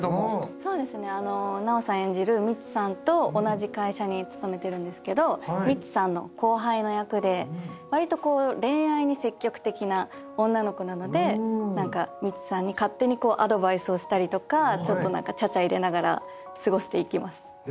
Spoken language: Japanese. そうですね奈緒さん演じるみちさんと同じ会社に勤めてるんですけどみちさんの後輩の役でわりと恋愛に積極的な女の子なのでみちさんに勝手にアドバイスをしたりとかちょっと何かちゃちゃ入れながら過ごしていきます。